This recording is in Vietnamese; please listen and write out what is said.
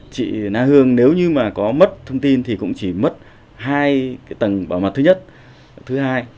chị na hương nếu như mà có mất thông tin thì cũng chỉ mất hai cái tầng bảo mật thứ nhất thứ hai